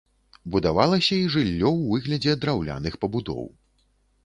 Будавалася і жыллё у выглядзе драўляных пабудоў.